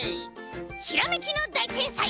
ひらめきのだいてんさい！